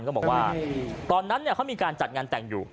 ก็บอกว่าตอนนั้นเขามีการจัดงานแต่งอยู่